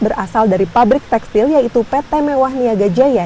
berasal dari pabrik tekstil yaitu pt mewah niaga jaya